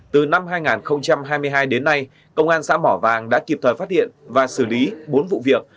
từ năm hai nghìn hai mươi hai đến nay công an xã mỏ vàng đã kịp thời phát hiện và xử lý bốn vụ việc